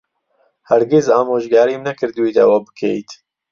هەرگیز ئامۆژگاریم نەکردوویت ئەوە بکەیت.